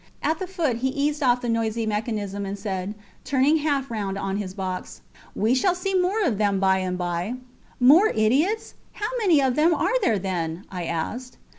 At the foot he eased off the noisy mechanism and said, turning half round on his box We shall see some more of them by and by. More idiots? How many of them are there, then? I asked.